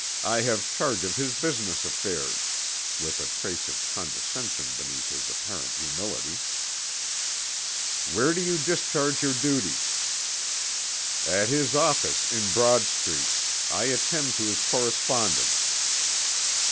I have charge of his business affairs," with a trace of condescension beneath his apparent humility. "Where do you discharge your duties?" "At his office in Broad Street. I attend to his correspondence."